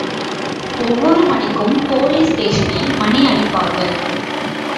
ஒவ்வொரு மணிக்கும் போலீஸ் ஸ்டேஷனில் மணி அடிப்பார்கள்.